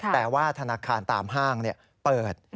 แต่ว่าธนาคารตามห้างเปิด